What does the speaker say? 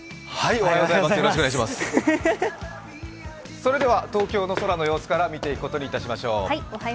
それでは、東京の空の様子から見ていくことにしましょう。